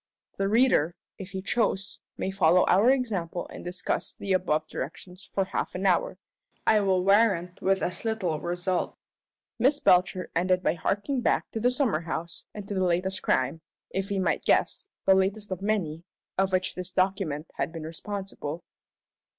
The reader, if he choose, may follow our example and discuss the above directions for half an hour I will warrant with as little result. Miss Belcher ended by harking back to the summer house and to the latest crime if we might guess, the latest of many for which this document had been responsible.